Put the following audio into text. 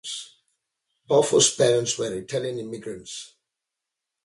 Poffo's parents were Italian immigrants.